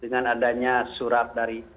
dengan adanya surat dari